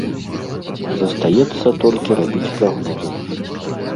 Застаецца толькі рабіць прагнозы.